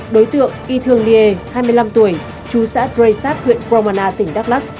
đối tượng y thương lê hai mươi năm tuổi chú xã tray sát huyện gromana tỉnh đắk lắc